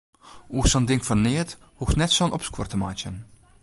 Oer sa'n ding fan neat hoechst net sa'n opskuor te meitsjen.